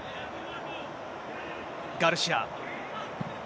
ガルシア。